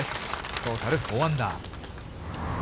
トータル４アンダー。